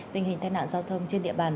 tình hình tai nạn giao thông trên địa bàn